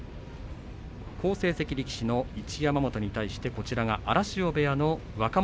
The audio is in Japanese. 好成績力士の一山本に対して荒汐部屋の若元